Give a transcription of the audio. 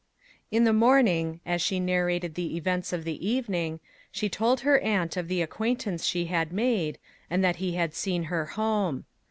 In the morning, as she narrated the events of the evening, she told her aunt of the acquaintance she had made, and that he had seen her home.